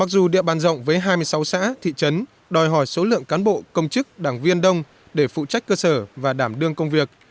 dù địa bàn rộng với hai mươi sáu xã thị trấn đòi hỏi số lượng cán bộ công chức đảng viên đông để phụ trách cơ sở và đảm đương công việc